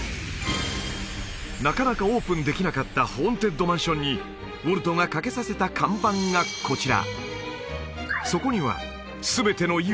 なかなかオープンできなかったホーンテッドマンションにウォルトがかけさせた看板がこちら